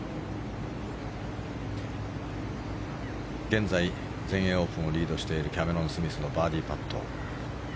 現在全英オープンをリードしているキャメロン・スミスのバーディーパット。